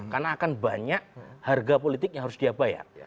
karena akan banyak harga politik yang harus dia bayar